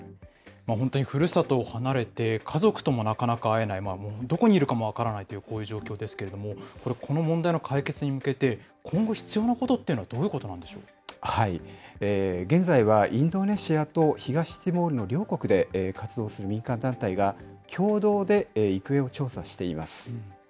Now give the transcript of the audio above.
本当にふるさとを離れて家族ともなかなか会えない、どこにいるかも分からない、こういう状況なんですけれども、この問題の解決に向けて、今後必要なことっていうのは、どういう現在はインドネシアと東ティモールの両国で活動する民間団体が、共同で行方を調査しています。